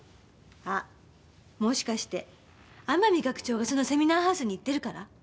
あもしかして天海学長がそのセミナーハウスに行ってるから？